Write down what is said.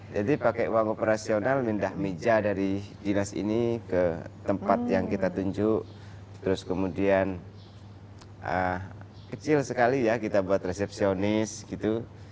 jadi pakai uang operasional pindah meja dari dinas ini ke tempat yang kita tunjuk terus kemudian kecil sekali ya kita buat resepsionis gitu